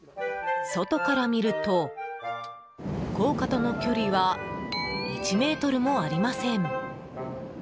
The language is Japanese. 外から見ると高架との距離は１ｍもありません。